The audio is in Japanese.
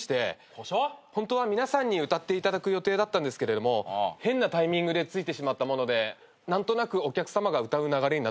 ホントは皆さんに歌っていただく予定だったんですけれども変なタイミングでついてしまったもので何となくお客さまが歌う流れになってしまいまして。